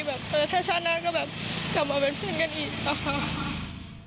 แบบเออถ้าชาติหน้าก็แบบกลับมาเป็นเพื่อนกันอีกอะค่ะ